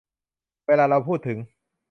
เวลาเราพูดถึง